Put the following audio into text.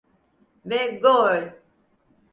Ve gol!